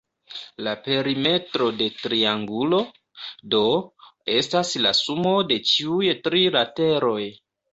La perimetro de triangulo, do, estas la sumo de ĉiuj tri lateroj.